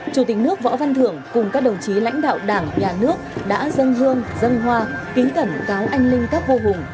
chủ tịch nước võ văn thưởng cùng các đồng chí lãnh đạo đảng nhà nước đã dâng hương dân hoa kính cẩn cáo anh linh các vô hùng